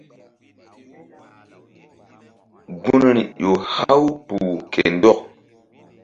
Gunri ƴo haw kpuh ke ndɔk.